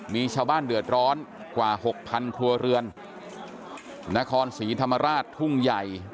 มีชาวบ้านเดือดร้อนกว่าหกพันครัวเรือนนครศรีธรรมราชทุ่งใหญ่